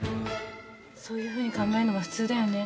そういうふうに考えんのが普通だよね？